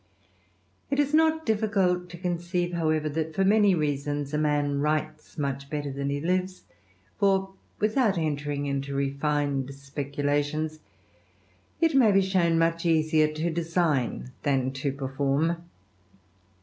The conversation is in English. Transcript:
not difficult to conceive, however, that for many 26 THE RAMBLER. reasons a man writes much better than he lives, without entering into refined speculations, it may be sh( much easier to design than to perform.